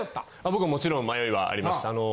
僕ももちろん迷いはありました。